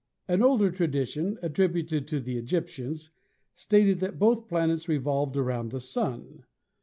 An older tradition, attributed to the Egyptians, stated that both planets revolved around the Sun.